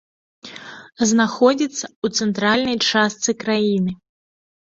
Знаходзіцца ў цэнтральнай частцы краіны.